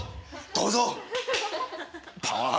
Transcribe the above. どうぞ！